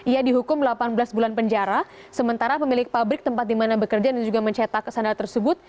ia dihukum delapan belas bulan penjara sementara pemilik pabrik tempat di mana bekerja dan juga mencetak sandal tersebut